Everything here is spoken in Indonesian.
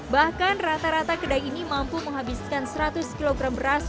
bahkan rata rata kedai ini mampu menghabiskan seratus kg beras